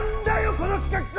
この企画書！